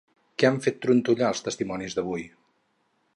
Què han fet trontollar els testimonis d'avui?